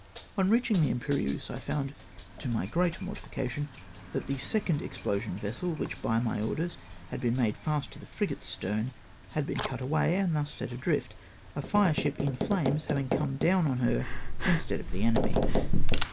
On reaching the Imperieuse, I found, to my great mortification, that the second explosion vessel, which, by my orders, had been made fast to the frigate's stern, had been cut away, and thus set adrift : a fireship in flames having come down on her instead of the enemy